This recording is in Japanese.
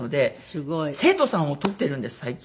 すごい！生徒さんを取ってるんです最近。